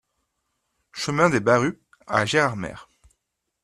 Chemin des Bas Rupts à Gérardmer